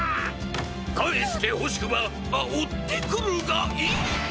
かえしてほしくばあおってくるがいいビ！